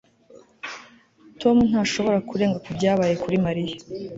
tom ntashobora kurenga kubyabaye kuri mariya